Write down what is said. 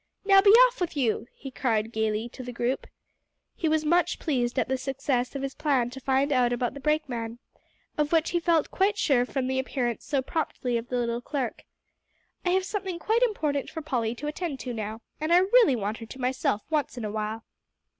Now be off with you," he cried gaily to the group. He was much pleased at the success of his plan to find out about the brakeman, of which he felt quite sure from the appearance so promptly of the little clerk. "I have something quite important for Polly to attend to now; and I really want her to myself once in a while."